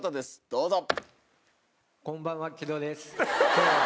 どうぞ。